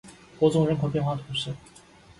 伯宗人口变化图示